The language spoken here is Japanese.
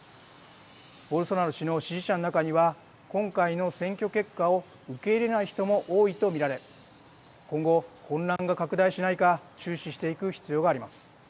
ボルソナロ氏の支持者の中には今回の選挙結果を受け入れない人も多いと見られ今後、混乱が拡大しないか注視していく必要があります。